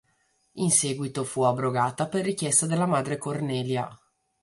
In seguito fu abrogata per richiesta della madre Cornelia.